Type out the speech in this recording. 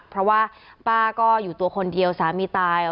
เพราะว่าป้าก็อยู่ตัวคนเดียวสามีตาย